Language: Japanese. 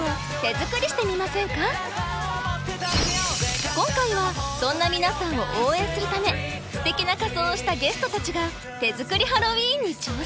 今年は今回はそんな皆さんを応援するためステキな仮装をしたゲストたちが手作りハロウィーンに挑戦！